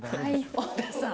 小田さん。